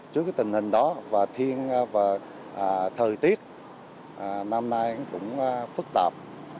trước tình hình đó và thời tiết năm nay cũng phức tạp